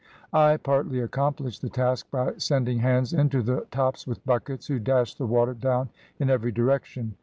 I partly accomplished the task by sending hands into the tops with buckets, who dashed the water down in every direction.